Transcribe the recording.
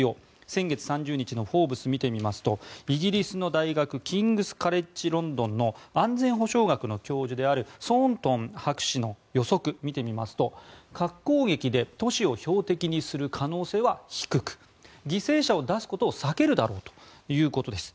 先月３０日の「フォーブス」を見てみますとイギリスの大学キングス・カレッジ・ロンドンの安全保障学の教授であるソーントン博士の予測見てみますと核攻撃で都市を標的にする可能性は低く犠牲者を出すことを避けるだろうということです。